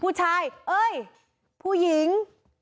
ผู้ชายเอ้ยผู้หญิง